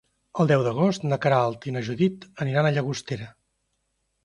El deu d'agost na Queralt i na Judit aniran a Llagostera.